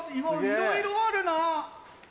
いろいろあるな！